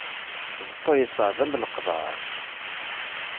Beṭṭu yeṣɛeb am leqḍaɛ.